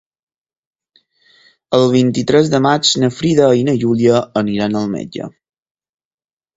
El vint-i-tres de maig na Frida i na Júlia aniran al metge.